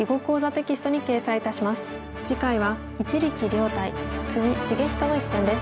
次回は一力遼対篤仁の一戦です。